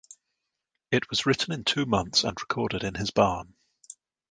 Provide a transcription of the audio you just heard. It was written in two months and recorded in his barn.